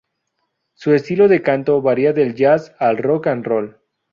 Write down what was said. Su estilo de canto varía del jazz al rock and roll.